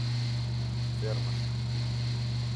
— Фермыш.